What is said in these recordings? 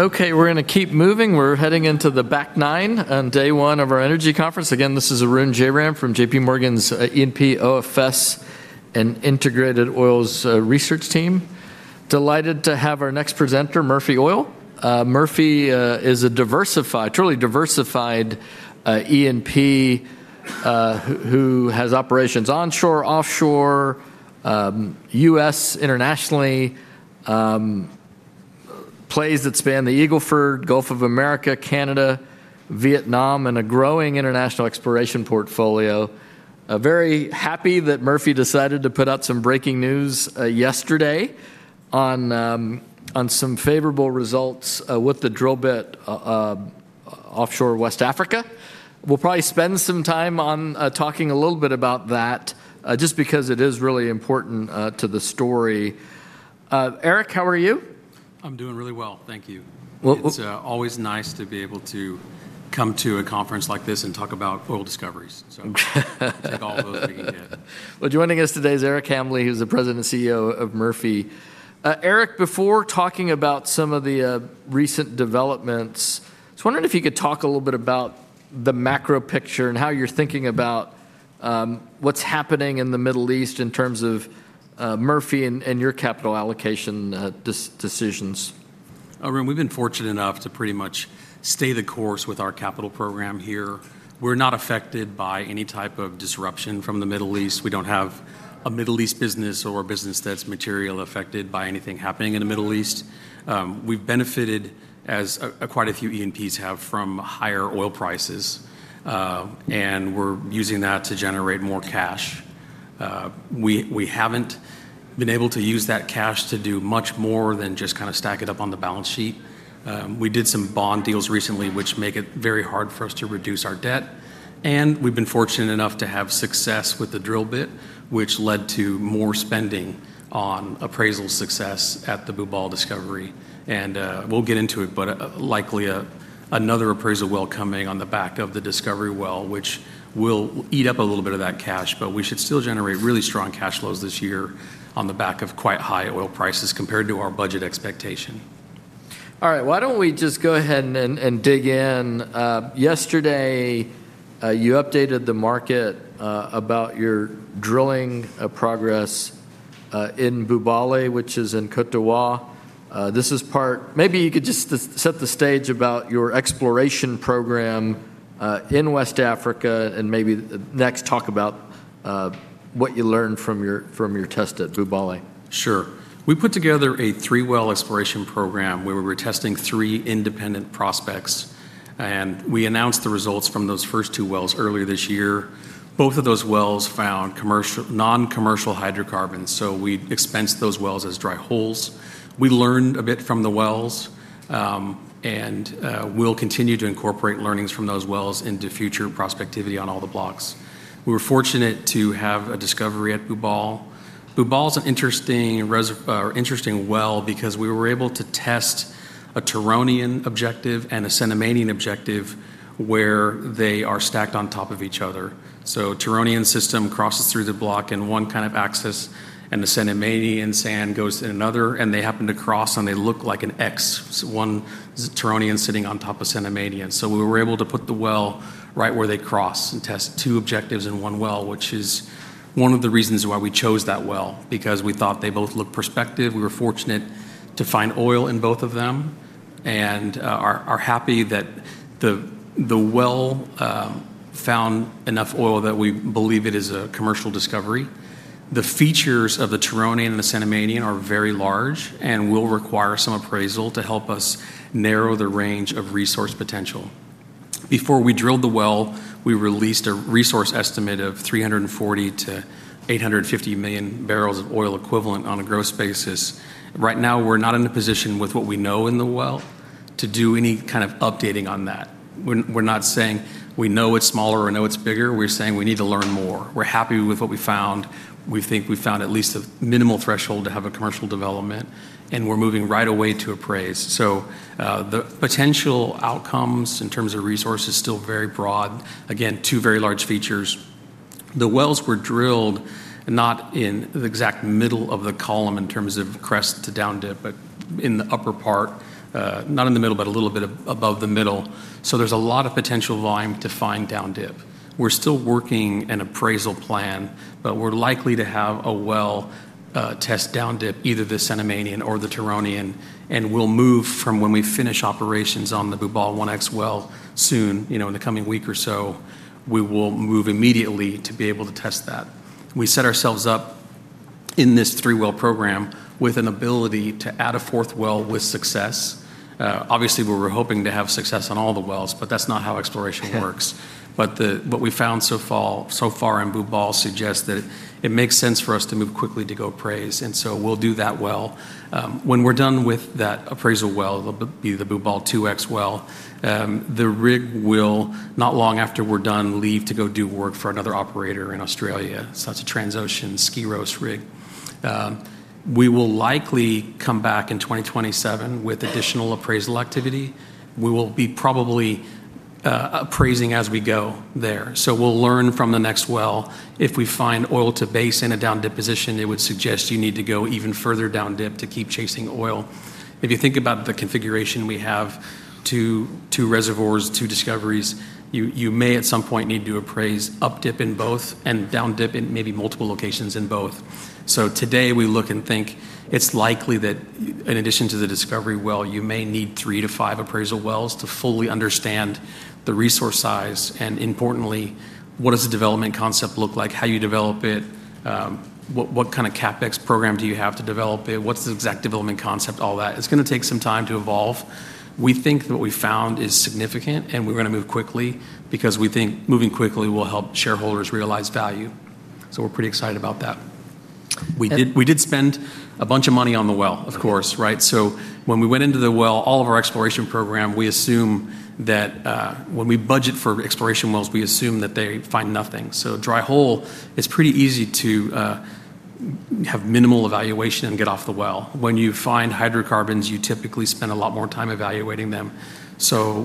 Okay, we're going to keep moving. We're heading into the back nine on day one of our energy conference. Again, this is Arun Jayaram from JPMorgan's E&P, OFS, and Integrated Oils research team. Delighted to have our next presenter, Murphy Oil. Murphy is a truly diversified E&P who has operations onshore, offshore, U.S., internationally, plays that span the Eagle Ford, Gulf of America, Canada, Vietnam, and a growing international exploration portfolio. Very happy that Murphy decided to put out some breaking news yesterday on some favorable results with the drill bit offshore West Africa. We'll probably spend some time on talking a little bit about that, just because it is really important to the story. Eric, how are you? I'm doing really well, thank you. Well- It's always nice to be able to come to a conference like this and talk about oil discoveries. Take all those that you can get. Well, joining us today is Eric Hambly, who's the President and CEO of Murphy. Eric, before talking about some of the recent developments, I was wondering if you could talk a little bit about the macro picture and how you're thinking about what's happening in the Middle East in terms of Murphy and your capital allocation decisions. Arun, we've been fortunate enough to pretty much stay the course with our capital program here. We're not affected by any type of disruption from the Middle East. We don't have a Middle East business or a business that's materially affected by anything happening in the Middle East. We've benefited, as quite a few E&Ps have, from higher oil prices. We're using that to generate more cash. We haven't been able to use that cash to do much more than just kind of stack it up on the balance sheet. We did some bond deals recently, which make it very hard for us to reduce our debt, and we've been fortunate enough to have success with the drill bit, which led to more spending on appraisal success at the Bubale-1x discovery. We'll get into it, but likely another appraisal well coming on the back of the discovery well, which will eat up a little bit of that cash. We should still generate really strong cash flows this year on the back of quite high oil prices compared to our budget expectation. All right. Why don't we just go ahead and dig in? Yesterday, you updated the market about your drilling progress in Bubale, which is in Côte d'Ivoire. Maybe you could just set the stage about your exploration program in West Africa and maybe next talk about what you learned from your test at Bubale. Sure. We put together a three-well exploration program where we were testing three independent prospects, and we announced the results from those first two wells earlier this year. Both of those wells found non-commercial hydrocarbons, so we expensed those wells as dry holes. We learned a bit from the wells, and we'll continue to incorporate learnings from those wells into future prospectivity on all the blocks. We were fortunate to have a discovery at Bubale. Bubale's an interesting well because we were able to test a Turonian objective and a Cenomanian objective where they are stacked on top of each other. Turonian system crosses through the block in one kind of axis, and the Cenomanian sand goes in another, and they happen to cross, and they look like an X, one Turonian sitting on top of Cenomanian. We were able to put the well right where they cross and test two objectives in one well, which is one of the reasons why we chose that well, because we thought they both looked prospective. We were fortunate to find oil in both of them and are happy that the well found enough oil that we believe it is a commercial discovery. The features of the Turonian and the Cenomanian are very large and will require some appraisal to help us narrow the range of resource potential. Before we drilled the well, we released a resource estimate of 340 to 850 million barrels of oil equivalent on a gross basis. Right now, we're not in a position with what we know in the well to do any kind of updating on that. We're not saying we know it's smaller or know it's bigger. We're saying we need to learn more. We're happy with what we found. We think we found at least a minimal threshold to have a commercial development, and we're moving right away to appraise. The potential outcomes in terms of resource is still very broad. Again, two very large features. The wells were drilled not in the exact middle of the column in terms of crest to down dip, but in the upper part. Not in the middle, but a little bit above the middle. There's a lot of potential volume to find down dip. We're still working an appraisal plan, but we're likely to have a well test down dip, either the Cenomanian or the Turonian, and we'll move from when we finish operations on the Bubale-1x well soon, in the coming week or so. We will move immediately to be able to test that. We set ourselves up in this three-well program with an ability to add a fourth well with success. Obviously, we were hoping to have success on all the wells, but that's not how exploration works. Yeah. What we've found so far in Bubale suggests that it makes sense for us to move quickly to go appraise, and we'll do that well. When we're done with that appraisal well, it'll be the Bubale-2X well. The rig will, not long after we're done, leave to go do work for another operator in Australia. That's a Transocean Skyros rig. We will likely come back in 2027 with additional appraisal activity. We will be probably appraising as we go there. We'll learn from the next well. If we find oil to base in a down dip position, it would suggest you need to go even further down dip to keep chasing oil. If you think about the configuration we have, two reservoirs, two discoveries, you may at some point need to appraise up dip in both and down dip in maybe multiple locations in both. Today we look and think it's likely that in addition to the discovery well, you may need three to five appraisal wells to fully understand the resource size, and importantly, what does the development concept look like, how you develop it, what kind of CapEx program do you have to develop it? What's the exact development concept? All that. It's going to take some time to evolve. We think what we've found is significant, and we're going to move quickly because we think moving quickly will help shareholders realize value. We're pretty excited about that. We did spend a bunch of money on the well, of course, right? When we went into the well, all of our exploration program, we assume that when we budget for exploration wells, we assume that they find nothing. Dry hole, it's pretty easy to have minimal evaluation and get off the well. When you find hydrocarbons, you typically spend a lot more time evaluating them.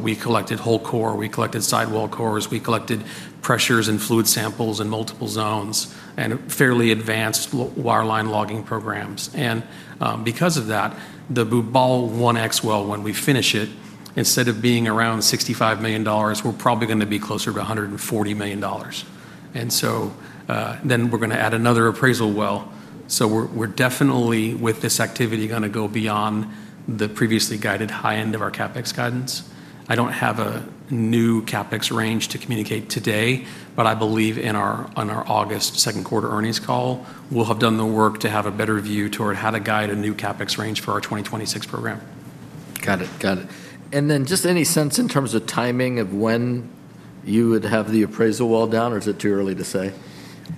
We collected whole core, we collected sidewall cores, we collected pressures and fluid samples in multiple zones and fairly advanced wireline logging programs. Because of that, the Bubale-1x well, when we finish it, instead of being around $65 million, we're probably going to be closer to $140 million. We're going to add another appraisal well. We're definitely, with this activity, going to go beyond the previously guided high end of our CapEx guidance. I don't have a new CapEx range to communicate today, but I believe on our August second quarter earnings call, we'll have done the work to have a better view toward how to guide a new CapEx range for our 2026 program. Got it. Just any sense in terms of timing of when you would have the appraisal well down, or is it too early to say?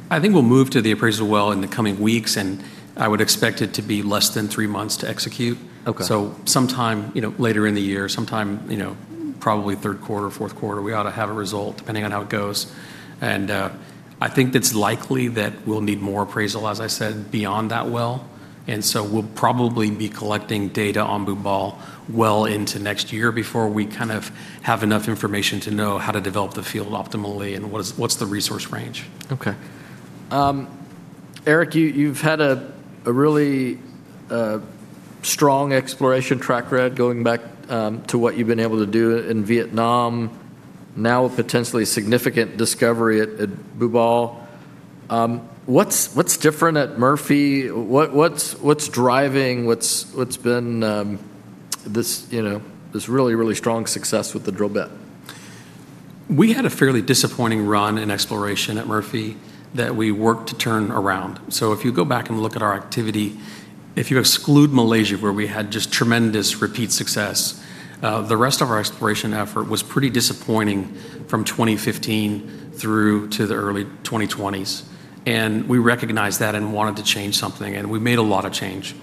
I think we'll move to the appraisal well in the coming weeks, and I would expect it to be less than three months to execute. Okay. Sometime later in the year, sometime probably third quarter, fourth quarter, we ought to have a result, depending on how it goes. I think it's likely that we'll need more appraisal, as I said, beyond that well, and so we'll probably be collecting data on Bubale well into next year before we kind of have enough information to know how to develop the field optimally and what's the resource range. Okay. Eric, you've had a really strong exploration track record going back to what you've been able to do in Vietnam, now a potentially significant discovery at Bubale. What's different at Murphy? What's been this really, really strong success with the drill bit? We had a fairly disappointing run in exploration at Murphy that we worked to turn around. If you go back and look at our activity, if you exclude Malaysia, where we had just tremendous repeat success, the rest of our exploration effort was pretty disappointing from 2015 through to the early 2020s. We recognized that and wanted to change something. We made a lot of change.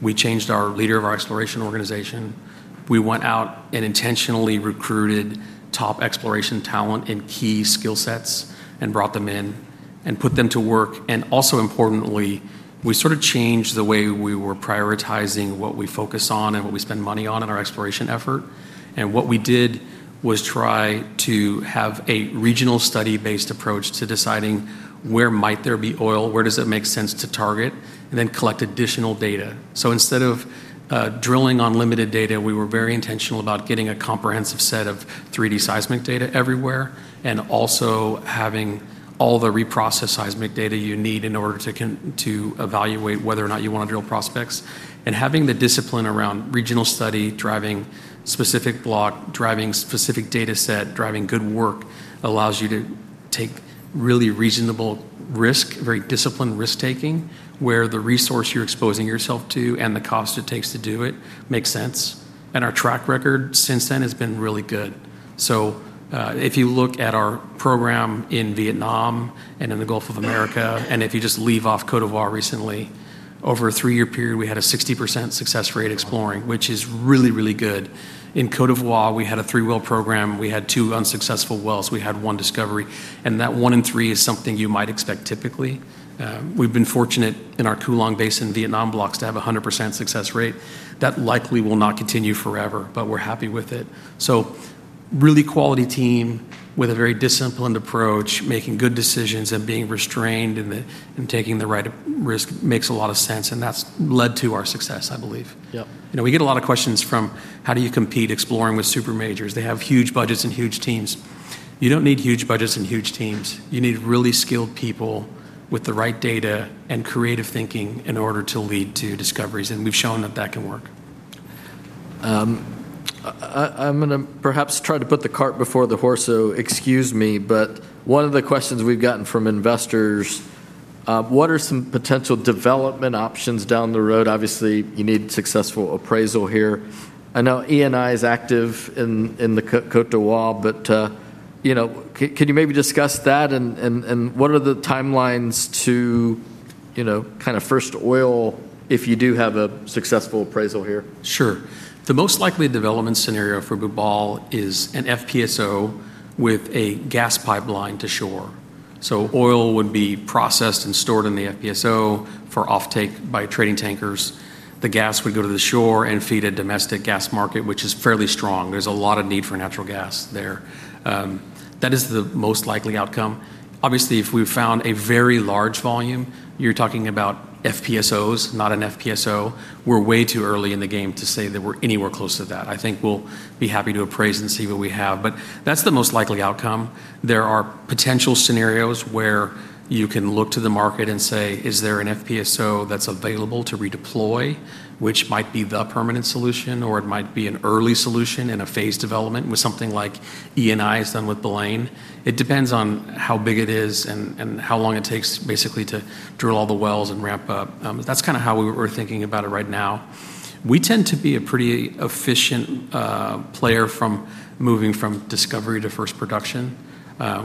We changed our leader of our exploration organization. We went out and intentionally recruited top exploration talent in key skill sets and brought them in and put them to work. Also importantly, we sort of changed the way we were prioritizing what we focus on and what we spend money on in our exploration effort. What we did was try to have a regional study-based approach to deciding where might there be oil, where does it make sense to target, and then collect additional data. Instead of drilling on limited data, we were very intentional about getting a comprehensive set of 3D seismic data everywhere, and also having all the reprocessed seismic data you need in order to evaluate whether or not you want to drill prospects. Having the discipline around regional study, driving specific block, driving specific data set, driving good work allows you to take really reasonable risk, very disciplined risk-taking, where the resource you're exposing yourself to and the cost it takes to do it makes sense. Our track record since then has been really good. If you look at our program in Vietnam and in the Gulf of America, and if you just leave off Côte d'Ivoire recently, over a three-year period, we had a 60% success rate exploring, which is really, really good. In Côte d'Ivoire, we had a three-well program. We had two unsuccessful wells. We had one discovery. That one in three is something you might expect typically. We've been fortunate in our Cuu Long Basin Vietnam blocks to have 100% success rate. That likely will not continue forever, but we're happy with it. Really quality team with a very disciplined approach, making good decisions and being restrained and taking the right risk makes a lot of sense, and that's led to our success, I believe. Yep. We get a lot of questions from how do you compete exploring with super majors? They have huge budgets and huge teams. You don't need huge budgets and huge teams. You need really skilled people with the right data and creative thinking in order to lead to discoveries, and we've shown that that can work. I'm going to perhaps try to put the cart before the horse, excuse me, one of the questions we've gotten from investors, what are some potential development options down the road? Obviously, you need successful appraisal here. I know Eni is active in the Côte d'Ivoire. Can you maybe discuss that and what are the timelines to kind of first oil if you do have a successful appraisal here? Sure. The most likely development scenario for Bubale is an FPSO with a gas pipeline to shore. Oil would be processed and stored in the FPSO for offtake by trading tankers. The gas would go to the shore and feed a domestic gas market, which is fairly strong. There's a lot of need for natural gas there. That is the most likely outcome. Obviously, if we found a very large volume, you're talking about FPSOs, not an FPSO. We're way too early in the game to say that we're anywhere close to that. I think we'll be happy to appraise and see what we have, that's the most likely outcome. There are potential scenarios where you can look to the market and say, "Is there an FPSO that's available to redeploy?" Which might be the permanent solution, or it might be an early solution in a phased development with something like Eni has done with Baleine. It depends on how big it is and how long it takes, basically, to drill all the wells and ramp up. That's kind of how we're thinking about it right now. We tend to be a pretty efficient player from moving from discovery to first production.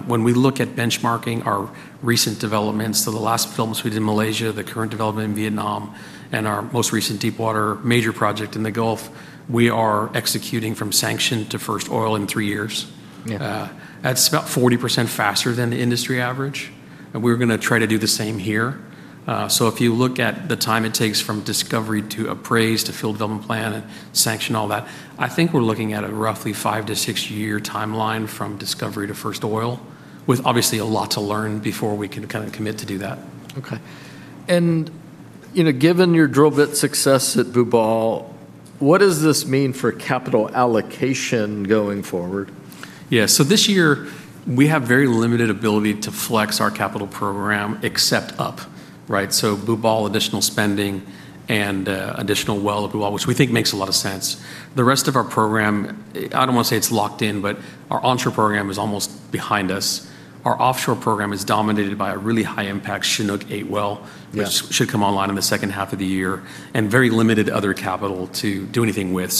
When we look at benchmarking our recent developments to the last fields we did in Malaysia, the current development in Vietnam, and our most recent deepwater major project in the Gulf, we are executing from sanction to first oil in three years. Yeah. That's about 40% faster than the industry average. We're going to try to do the same here. If you look at the time it takes from discovery to appraise to field development plan and sanction all that, I think we're looking at a roughly five- to six-year timeline from discovery to first oil, with obviously a lot to learn before we can commit to do that. Okay. Given your drill bit success at Bubale, what does this mean for capital allocation going forward? Yeah. This year, we have very limited ability to flex our capital program except up. Right? Bubale additional spending and additional well at Bubale, which we think makes a lot of sense. The rest of our program, I don't want to say it's locked in, but our onshore program is almost behind us. Our offshore program is dominated by a really high-impact Chinook #8 well- Yeah which should come online in the second half of the year, and very limited other capital to do anything with.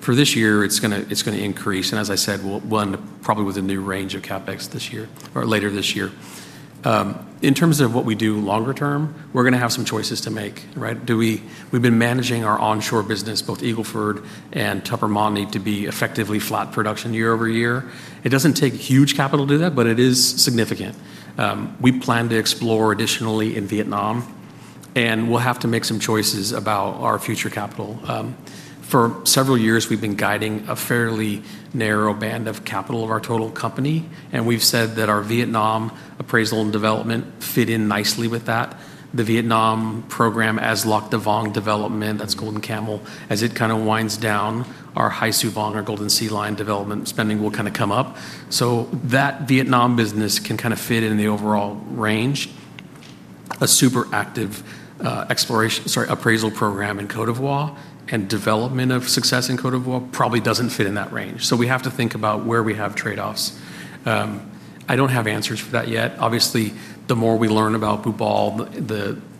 For this year, it's going to increase, and as I said, we'll end up probably with a new range of CapEx this year or later this year. In terms of what we do longer term, we're going to have some choices to make. Right? We've been managing our onshore business, both Eagle Ford and Tupper Montney to be effectively flat production year-over-year. It doesn't take huge capital to do that, but it is significant. We plan to explore additionally in Vietnam, and we'll have to make some choices about our future capital. For several years, we've been guiding a fairly narrow band of capital of our total company, and we've said that our Vietnam appraisal and development fit in nicely with that. The Vietnam program as Lac Da Vang development, that's Golden Camel. As it kind of winds down our Hai Su Vang, our Golden Sea Lion development spending will kind of come up. That Vietnam business can kind of fit in the overall range. A super active appraisal program in Côte d'Ivoire and development of success in Côte d'Ivoire probably doesn't fit in that range. We have to think about where we have trade-offs. I don't have answers for that yet. Obviously, the more we learn about Bubale,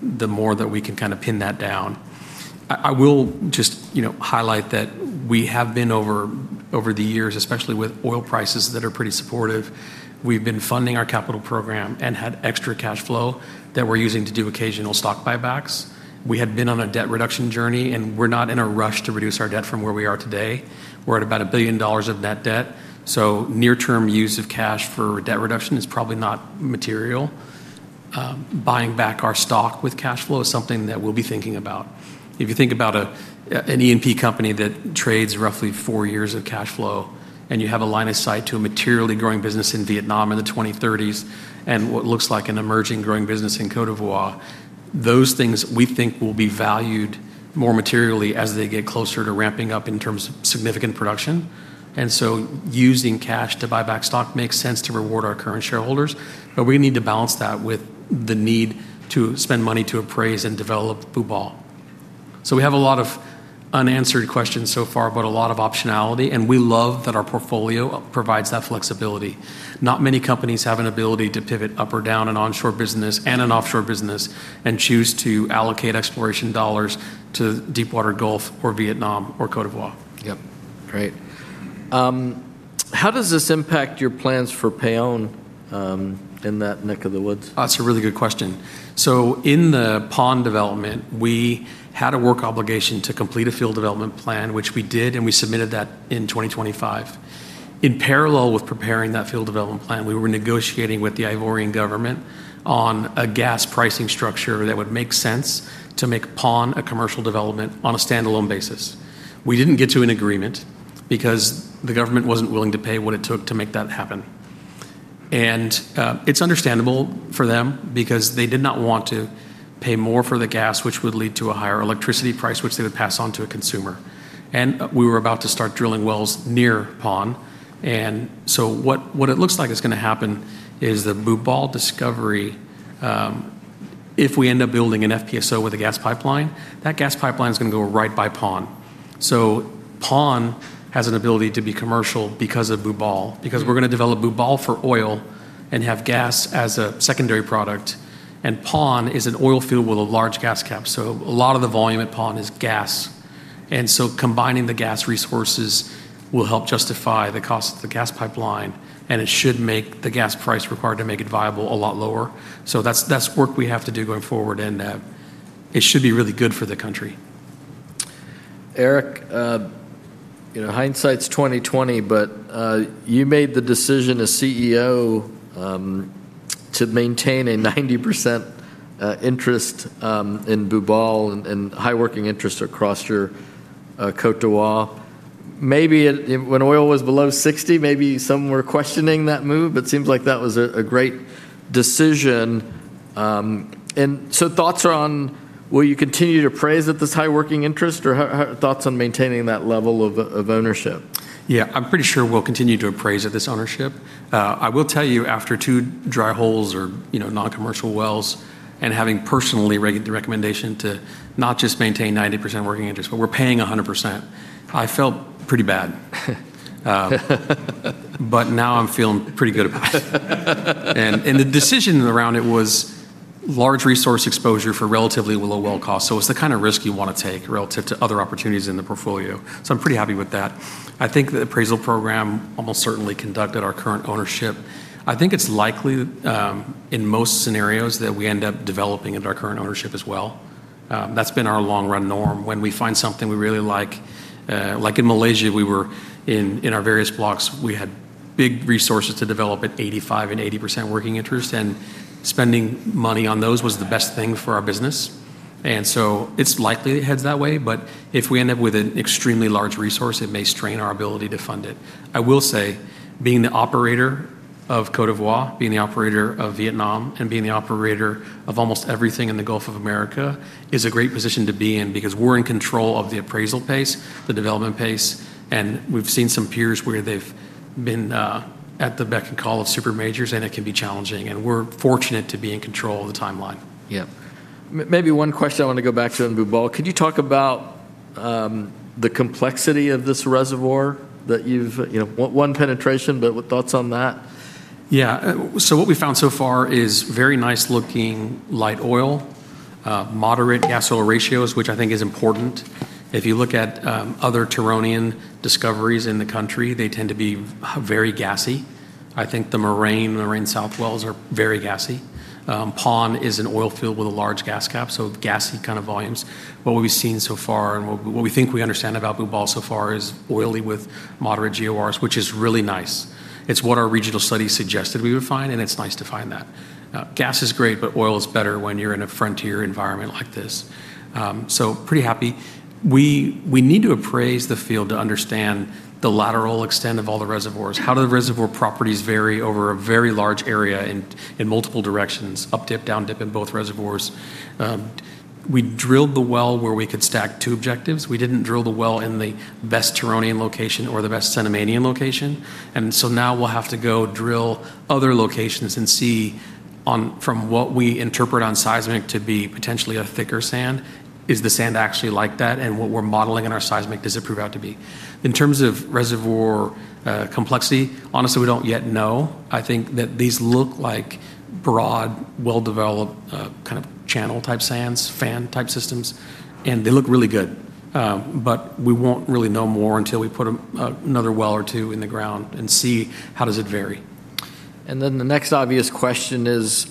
the more that we can kind of pin that down. I will just highlight that we have been over the years, especially with oil prices that are pretty supportive, we've been funding our capital program and had extra cash flow that we're using to do occasional stock buybacks. We had been on a debt reduction journey, and we're not in a rush to reduce our debt from where we are today. We're at about $1 billion of net debt, near-term use of cash for debt reduction is probably not material. Buying back our stock with cash flow is something that we'll be thinking about. If you think about an E&P company that trades roughly four years of cash flow, and you have a line of sight to a materially growing business in Vietnam in the 2030s and what looks like an emerging growing business in Côte d'Ivoire, those things we think will be valued more materially as they get closer to ramping up in terms of significant production. Using cash to buy back stock makes sense to reward our current shareholders. But we need to balance that with the need to spend money to appraise and develop Bubale. We have a lot of unanswered questions so far, but a lot of optionality, and we love that our portfolio provides that flexibility. Not many companies have an ability to pivot up or down an onshore business and an offshore business and choose to allocate exploration dollars to deepwater Gulf or Vietnam or Côte d'Ivoire. Yep. Great. How does this impact your plans for Paon in that neck of the woods? That's a really good question. In the Paon development, we had a work obligation to complete a field development plan, which we did, and we submitted that in 2025. In parallel with preparing that field development plan, we were negotiating with the Ivorian government on a gas pricing structure that would make sense to make Paon a commercial development on a standalone basis. We didn't get to an agreement because the government wasn't willing to pay what it took to make that happen. It's understandable for them because they did not want to pay more for the gas, which would lead to a higher electricity price, which they would pass on to a consumer. We were about to start drilling wells near Paon, what it looks like is going to happen is the Bubale-1X discovery, if we end up building an FPSO with a gas pipeline, that gas pipeline is going to go right by Paon. Paon has an ability to be commercial because of Bubale, because we're going to develop Bubale for oil and have gas as a secondary product. Paon is an oil field with a large gas cap. A lot of the volume at Paon is gas, combining the gas resources will help justify the cost of the gas pipeline, it should make the gas price required to make it viable a lot lower. That's work we have to do going forward, it should be really good for the country. Eric, hindsight is 20/20, you made the decision as CEO to maintain a 90% interest in Bubale and high working interest across your Côte d'Ivoire. Maybe when oil was below $60, maybe some were questioning that move, it seems like that was a great decision. Thoughts are on will you continue to appraise at this high working interest, or thoughts on maintaining that level of ownership? I'm pretty sure we'll continue to appraise at this ownership. I will tell you, after two dry holes or non-commercial wells, and having personally read the recommendation to not just maintain 90% working interest, but we're paying 100%, I felt pretty bad. Now I'm feeling pretty good about it. The decision around it was large resource exposure for relatively low well cost. It's the kind of risk you want to take relative to other opportunities in the portfolio. I'm pretty happy with that. I think the appraisal program almost certainly conducted our current ownership. I think it's likely, in most scenarios, that we end up developing at our current ownership as well. That's been our long-run norm. When we find something we really like in Malaysia, in our various blocks, we had big resources to develop at 85% and 80% working interest, and spending money on those was the best thing for our business. It's likely it heads that way, but if we end up with an extremely large resource, it may strain our ability to fund it. I will say, being the operator of Côte d'Ivoire, being the operator of Vietnam, and being the operator of almost everything in the Gulf of America, is a great position to be in because we're in control of the appraisal pace, the development pace, and we've seen some peers where they've been at the beck and call of super majors, and it can be challenging, and we're fortunate to be in control of the timeline. Yeah. Maybe one question I want to go back to on Bubale. Could you talk about the complexity of this reservoir that you've one penetration, but thoughts on that? Yeah. What we've found so far is very nice-looking light oil, moderate gas oil ratios, which I think is important. If you look at other Turonian discoveries in the country, they tend to be very gassy. I think the Maran South wells are very gassy. Paon is an oil field with a large gas cap, so gassy kind of volumes. What we've seen so far, and what we think we understand about Bubale so far, is oily with moderate GORs, which is really nice. It's what our regional studies suggested we would find, and it's nice to find that. Gas is great, but oil is better when you're in a frontier environment like this. Pretty happy. We need to appraise the field to understand the lateral extent of all the reservoirs. How do the reservoir properties vary over a very large area in multiple directions, up-dip, down-dip in both reservoirs? We drilled the well where we could stack two objectives. We didn't drill the well in the best Turonian location or the best Cenomanian location. Now we'll have to go drill other locations and see, from what we interpret on seismic to be potentially a thicker sand, is the sand actually like that, and what we're modeling in our seismic, does it prove out to be? In terms of reservoir complexity, honestly, we don't yet know. I think that these look like broad, well-developed kind of channel-type sands, fan-type systems, and they look really good. We won't really know more until we put another well or two in the ground and see how does it vary. The next obvious question is,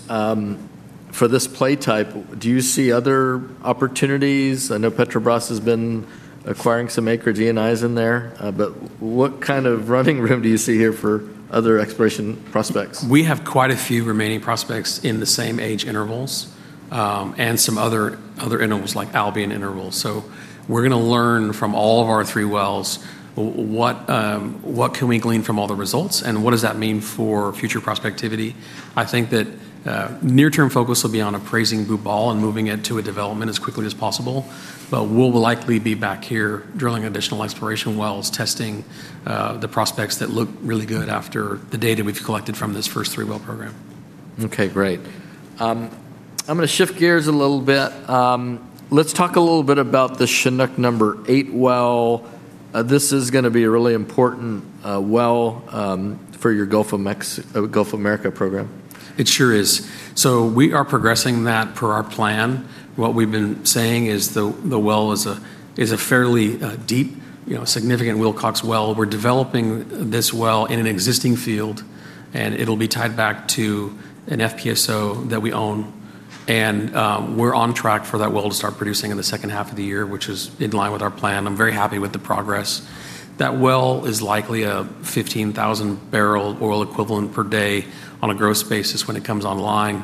for this play type, do you see other opportunities? I know Petrobras has been acquiring some acreage, Eni's in there. What kind of running room do you see here for other exploration prospects? We have quite a few remaining prospects in the same age intervals, and some other intervals like Albian intervals. We're going to learn from all of our three wells, what can we glean from all the results, and what does that mean for future prospectivity. I think that near-term focus will be on appraising Bubale and moving it to a development as quickly as possible. We'll likely be back here drilling additional exploration wells, testing the prospects that look really good after the data we've collected from this first three-well program. Okay, great. I'm going to shift gears a little bit. Let's talk a little bit about the Chinook number #8 well. This is going to be a really important well for your Gulf of America program. It sure is. We are progressing that per our plan. What we've been saying is the well is a fairly deep, significant Wilcox well. We're developing this well in an existing field, and it'll be tied back to an FPSO that we own. We're on track for that well to start producing in the second half of the year, which is in line with our plan. I'm very happy with the progress. That well is likely a 15,000-barrel oil equivalent per day on a gross basis when it comes online,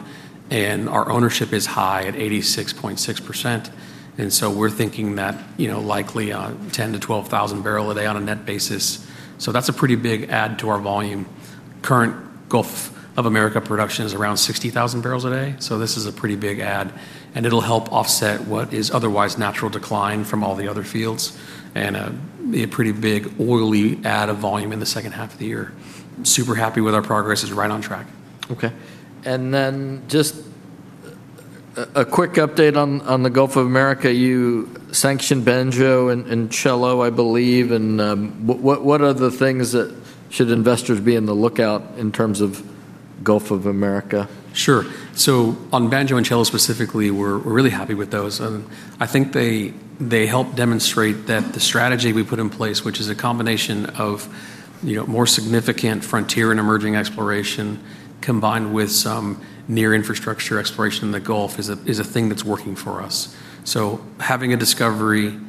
and our ownership is high at 86.6%. We're thinking that likely a 10,000 to 12,000 barrel a day on a net basis. That's a pretty big add to our volume. Current Gulf of America production is around 60,000 barrels a day. This is a pretty big add, it'll help offset what is otherwise natural decline from all the other fields, be a pretty big oily add of volume in the second half of the year. Super happy with our progress, it's right on track. Okay. Just a quick update on the Gulf of America. You sanctioned Banjo and Cello, I believe. What are the things that should investors be on the lookout in terms of Gulf of America? Sure. On Banjo and Cello specifically, we're really happy with those. I think they help demonstrate that the strategy we put in place, which is a combination of more significant frontier and emerging exploration, combined with some near infrastructure exploration in the Gulf, is a thing that's working for us. Having a discovery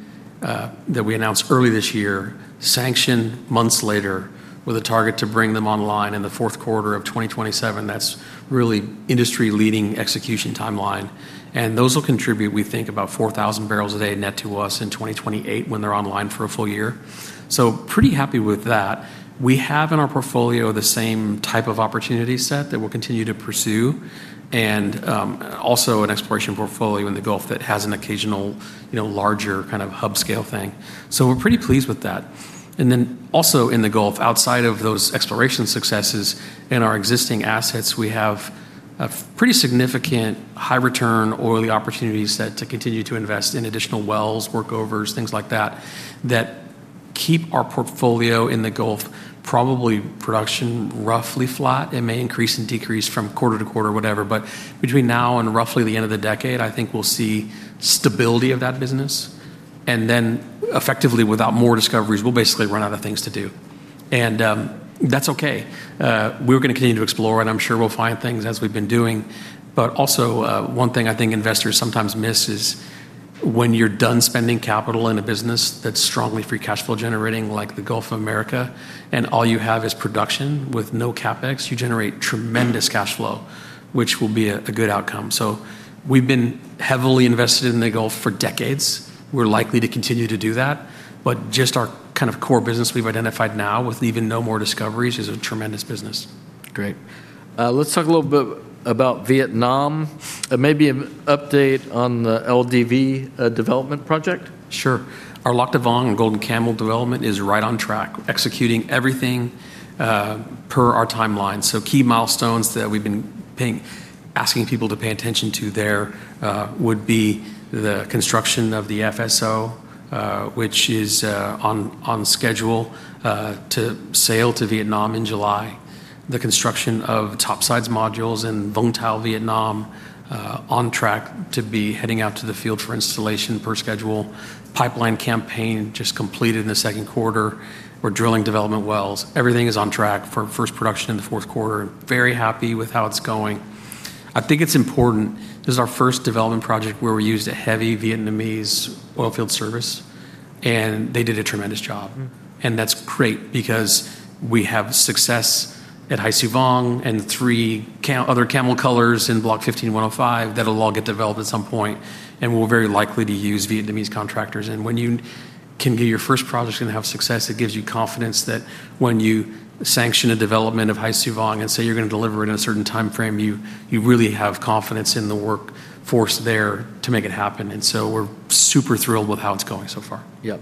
that we announced early this year, sanctioned months later, with a target to bring them online in the fourth quarter of 2027. That's really industry-leading execution timeline. Those will contribute, we think about 4,000 barrels a day net to us in 2028 when they're online for a full year. Pretty happy with that. We have in our portfolio the same type of opportunity set that we'll continue to pursue, also an exploration portfolio in the Gulf that has an occasional larger kind of hub scale thing. We're pretty pleased with that. Also in the Gulf, outside of those exploration successes in our existing assets, we have a pretty significant high return oily opportunity set to continue to invest in additional wells, workovers, things like that keep our portfolio in the Gulf probably production roughly flat. It may increase and decrease from quarter to quarter, whatever. Between now and roughly the end of the decade, I think we'll see stability of that business. Effectively without more discoveries, we'll basically run out of things to do. That's okay. We're going to continue to explore, and I'm sure we'll find things as we've been doing. Also, one thing I think investors sometimes miss is when you're done spending capital in a business that's strongly free cash flow generating, like the Gulf of America, and all you have is production with no CapEx, you generate tremendous cash flow, which will be a good outcome. We've been heavily invested in the Gulf for decades. We're likely to continue to do that. Just our kind of core business we've identified now with even no more discoveries is a tremendous business. Great. Let's talk a little bit about Vietnam. Maybe an update on the LDV development project. Sure. Our Lac Da Vang and Golden Camel development is right on track, executing everything per our timeline. Key milestones that we've been asking people to pay attention to there would be the construction of the FSO, which is on schedule to sail to Vietnam in July. The construction of topsides modules in Vung Tau, Vietnam, on track to be heading out to the field for installation per schedule. Pipeline campaign just completed in the second quarter. We're drilling development wells. Everything is on track for first production in the fourth quarter. Very happy with how it's going. I think it's important. This is our first development project where we used a heavy Vietnamese oil field service, and they did a tremendous job. That's great because we have success at Hai Su Vang and three other Camel prospects in Block 15-1/05 that'll all get developed at some point, and we're very likely to use Vietnamese contractors. When you can get your first project, going to have success, it gives you confidence that when you sanction a development of Hai Su Vang and say you're going to deliver it in a certain time frame, you really have confidence in the workforce there to make it happen. We're super thrilled with how it's going so far. Yep.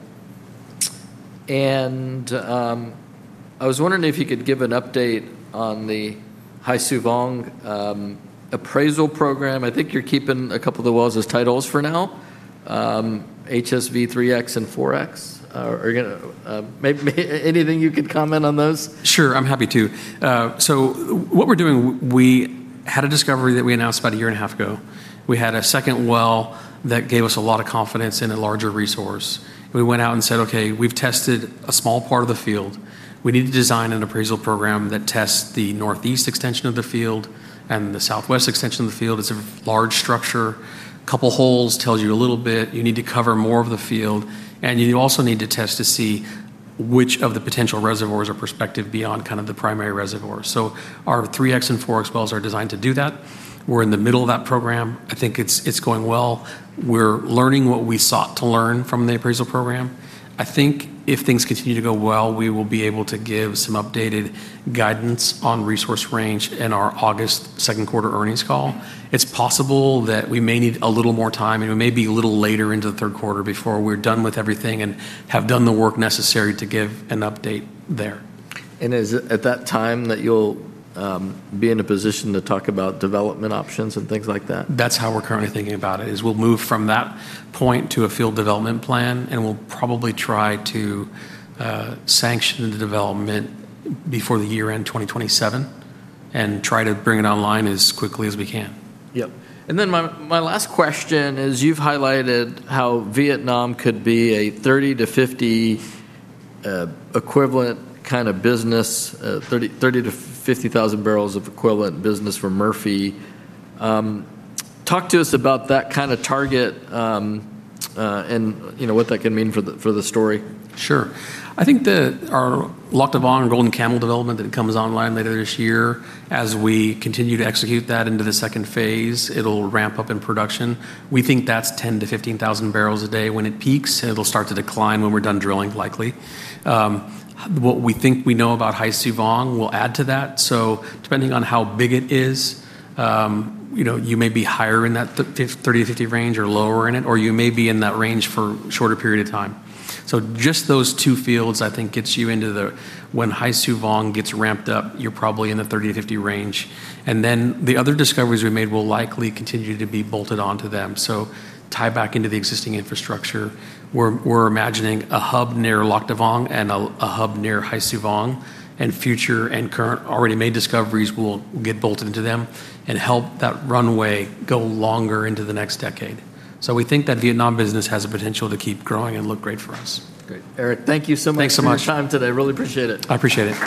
I was wondering if you could give an update on the Hai Su Vang appraisal program. I think you're keeping a couple of the wells as titles for now, HSV-3X and HSV-4X. Anything you could comment on those? Sure, I'm happy to. What we're doing, we had a discovery that we announced about a year and a half ago. We had a second well that gave us a lot of confidence in a larger resource. We went out and said, "Okay, we've tested a small part of the field. We need to design an appraisal program that tests the northeast extension of the field and the southwest extension of the field." It's a large structure. Couple holes tells you a little bit. You need to cover more of the field. You also need to test to see which of the potential reservoirs are prospective beyond kind of the primary reservoir. Our HSV-3X and HSV-4X wells are designed to do that. We're in the middle of that program. I think it's going well. We're learning what we sought to learn from the appraisal program. I think if things continue to go well, we will be able to give some updated guidance on resource range in our August second quarter earnings call. It's possible that we may need a little more time, and we may be a little later into the third quarter before we're done with everything and have done the work necessary to give an update there. Is it at that time that you'll be in a position to talk about development options and things like that? That's how we're currently thinking about it, is we'll move from that point to a field development plan, we'll probably try to sanction the development before the year-end 2027, try to bring it online as quickly as we can. Yep. My last question is, you've highlighted how Vietnam could be a 30-50 equivalent kind of business, 30,000-50,000 barrels of equivalent business for Murphy. Talk to us about that kind of target and what that could mean for the story. Sure. I think that our Lac Da Vang and Golden Camel development that comes online later this year, as we continue to execute that into the second phase, it'll ramp up in production. We think that's 10,000-15,000 barrels a day when it peaks. It'll start to decline when we're done drilling, likely. What we think we know about Hai Su Vang will add to that. Depending on how big it is, you may be higher in that 30-50 range or lower in it, or you may be in that range for shorter period of time. Just those two fields I think gets you into the, when Hai Su Vang gets ramped up, you're probably in the 30-50 range. The other discoveries we made will likely continue to be bolted onto them. Tie back into the existing infrastructure. We're imagining a hub near Lac Da Vang and a hub near Hai Su Vang. Future and current already made discoveries will get bolted into them and help that runway go longer into the next decade. We think that Vietnam business has the potential to keep growing and look great for us. Great. Eric, thank you so much. Thanks so much. Thank you for your time today. Really appreciate it. I appreciate it.